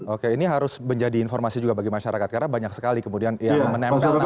oke ini harus menjadi informasi juga bagi masyarakat karena banyak sekali kemudian yang menempel